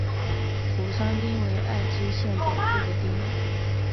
扶桑町为爱知县北部的町。